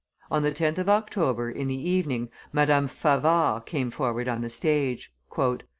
On the 10th of October, in the evening, Madame Favart came forward on the stage.